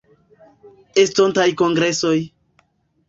Estontaj Kongresoj.